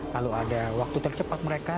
kalau ada waktu tercepat mereka